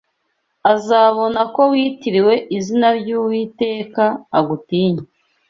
azabona ko witiriwe izina ry’Uwiteka, agutinye